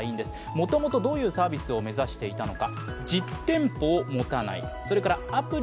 もともとどういうサービスを目指していたのか。